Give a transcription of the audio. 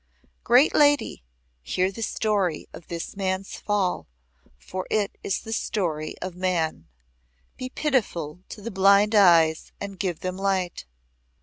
"Great Lady, hear the story of this man's fall, for it is the story of man. Be pitiful to the blind eyes and give them light."